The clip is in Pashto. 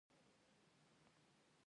هغه د وسيلې توليدوونکي ته يو ليک واستاوه.